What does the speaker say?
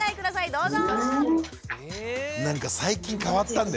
どうぞ！